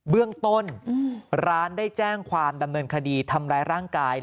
เบื้องต้นร้านได้แจ้งความดำเนินคดีทำร้ายร่างกาย